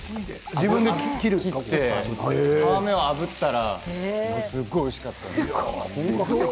自分で切って皮目をあぶったらすごくおいしかったです。